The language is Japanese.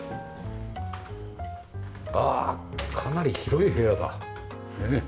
ああかなり広い部屋だ。ねえ。